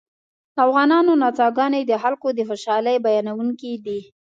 د افغانانو نڅاګانې د خلکو د خوشحالۍ بیانوونکې دي